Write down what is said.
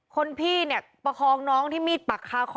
คนพี่เนี่ยประคองน้องที่มีดปักคาคอ